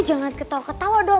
lo jangan ketawa ketawa doh